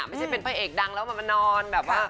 ไม่ใช่เป็นพระเอกดังแล้วมานอน